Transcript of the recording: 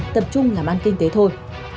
tập trung làm ăn kinh tế thôi